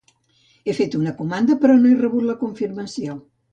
He fet una comanda però no he rebut la confirmació.